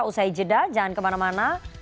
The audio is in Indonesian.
usai jeda jangan kemana mana